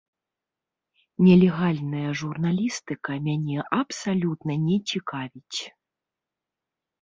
Нелегальная журналістыка мяне абсалютна не цікавіць.